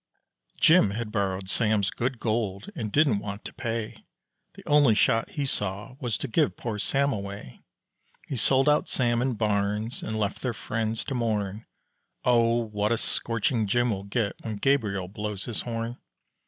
Jim had borrowed Sam's good gold and didn't want to pay, The only shot he saw was to give poor Sam away. He sold out Sam and Barnes and left their friends to mourn, Oh, what a scorching Jim will get when Gabriel blows his horn.